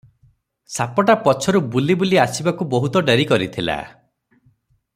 ସାପଟା ପଛରୁ ବୁଲି ବୁଲି ଆସିବାକୁ ବହୁତ ଡେରି କରିଥିଲା ।